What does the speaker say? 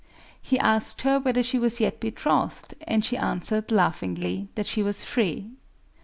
He asked her whether she was yet betrothed; and she answered, laughingly, that she was free.